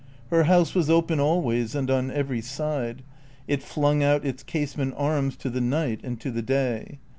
Her house was open always and on every side; it flung out its casement arms to the night and to the day.